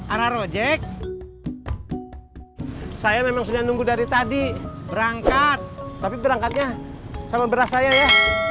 arah rojek saya memang sudah nunggu dari tadi berangkat tapi berangkatnya sama beras saya ya